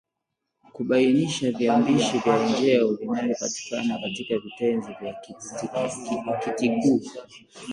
Kubainisha viambishi vya njeo vinavyopatikana katika vitenzi vya Kitikuu